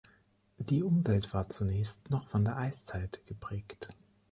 Die Umwelt war zunächst noch von der Eiszeit geprägt.